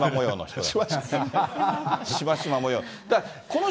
しましま模様の人。